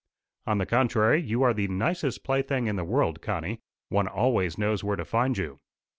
"On the contrary, you are the nicest plaything in the world, Connie. One always knows where to find you."